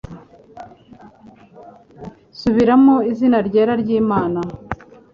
Subiramo Izina ryera ry'Imana